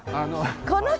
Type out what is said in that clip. この人？